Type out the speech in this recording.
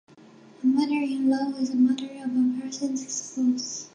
A mother-in-law is the mother of a person's spouse.